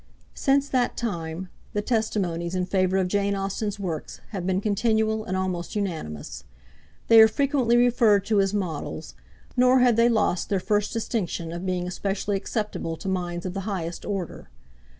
Since that time, the testimonies in favour of Jane Austen's works have been continual and almost unanimous. They are frequently referred to as models; nor have they lost their first distinction of being especially acceptable to minds of the highest order.